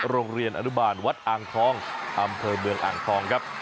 โรงเรียนอนุบาลวัดอ่างทองอำเภอเมืองอ่างทองครับ